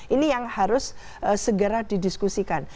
ini yang harus segera didiskusikan